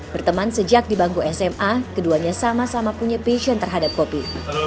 berteman sejak di bangku sma keduanya sama sama punya passion terhadap kopi